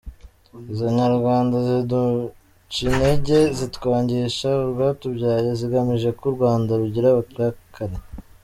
izo nyangarwanda ziducintege zitwangisha urwatubyaye, zigamije ko urwanda rugira abarakare.